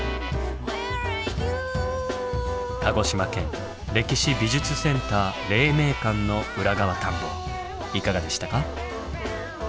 鹿児島県歴史・美術センター黎明館の裏側探訪いかがでしたか？